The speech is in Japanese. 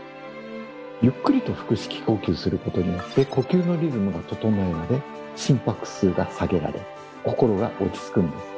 ゆっくりと腹式呼吸することによって呼吸のリズムが整えられ心拍数が下げられ心が落ち着くんです。